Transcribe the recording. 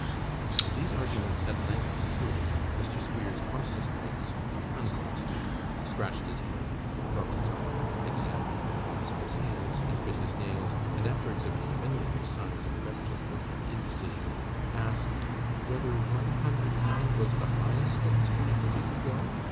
These arguments at length concluded, Mr. Squeers crossed his legs, uncrossed them, scratched his head, rubbed his eye, examined the palms of his hands, and bit his nails, and after exhibiting many other signs of restlessness and indecision, asked 'whether one hundred pound was the highest that Mr. Nickleby could go.